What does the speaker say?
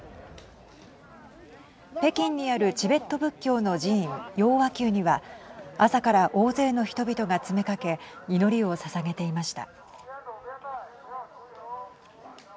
北京にあるチベット仏教の寺院、雍和宮には朝から大勢の人々が詰めかけ祈りをささげていました。